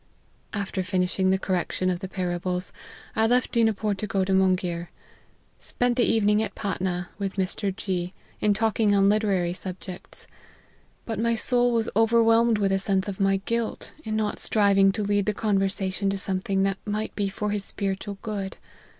" After finishing the correction of the parables, I left Dinapors to go to Manghir. Spent the even ing at Patna, with Mr. G , in talking on literary subjects: but my soul was overwhelmed with a sense of my guilt, in not striving to lead the conversation to something that might be for his spiritual good.